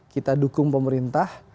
kita dukung pemerintah